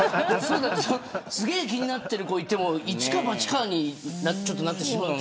すごい気になっている子いても一か八かになってしまう。